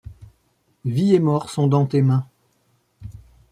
Vie et mort sont dans tes mains.